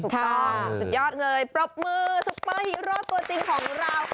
ถูกต้องสุดยอดเลยปรบมือซุปเปอร์ฮีโร่ตัวจริงของเรา